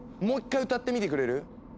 もう一回歌ってみてくれる？